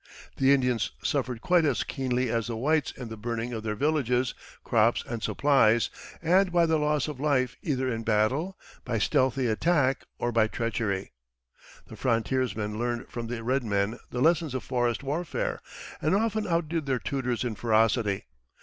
The Indians suffered quite as keenly as the whites in the burning of their villages, crops, and supplies, and by the loss of life either in battle, by stealthy attack, or by treachery. The frontiersmen learned from the red men the lessons of forest warfare, and often outdid their tutors in ferocity.